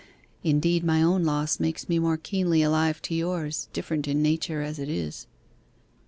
Indeed my own loss makes me more keenly alive to yours, different in nature as it is.